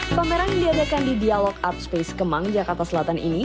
pameran yang diadakan di dialog art space kemang jakarta selatan ini